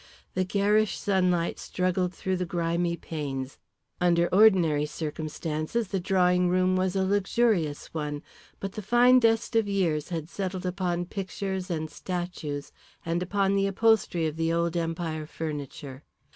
The garish sunlight struggled through the grimy panes. Under ordinary conditions the drawing room was a luxurious one. But the fine dust of years had settled upon pictures and statues and upon the upholstery of the old Empire furniture.